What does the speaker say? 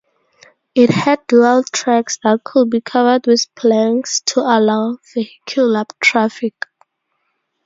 It had dual tracks that could be covered with planks to allow vehicular traffic.